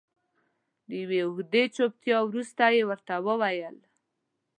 تر یوې اوږدې چوپتیا وروسته یې ورته وویل.